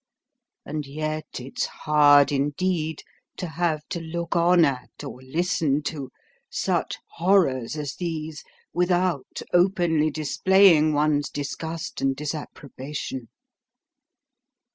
And yet it's hard indeed to have to look on at, or listen to, such horrors as these without openly displaying one's disgust and disapprobation.